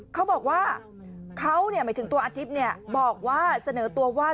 เขาบอกว่าเขาหมายถึงตัวอาทิตย์บอกว่าเสนอตัวว่า